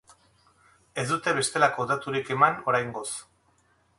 Ez dute bestelako daturik eman, oraingoz.